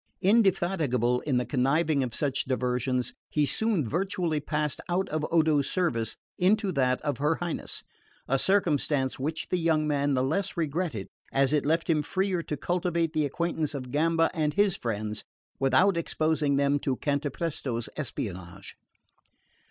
Indefatigable in the contriving of such diversions, he soon virtually passed out of Odo's service into that of her Highness: a circumstance which the young man the less regretted as it left him freer to cultivate the acquaintance of Gamba and his friends without exposing them to Cantapresto's espionage.